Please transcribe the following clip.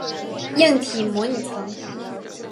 硬体模拟层。